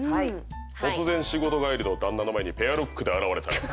突然仕事帰りの旦那の前にペアルックで現れたら。